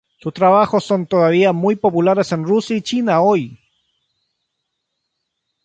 Sus trabajos son todavía muy populares en Rusia y China hoy.